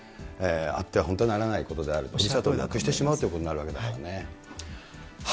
あっては本当にならないことであると、なくしてしまうということになるわけだもんね。